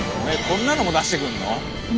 こんなのも出してくるの？